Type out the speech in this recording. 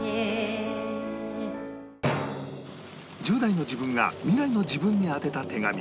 １０代の自分が未来の自分に宛てた手紙